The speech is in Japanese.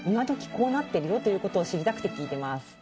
こうなってるよということを知りたくて聞いてます